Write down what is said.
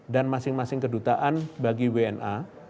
dan masing masing kedutaan bagi wna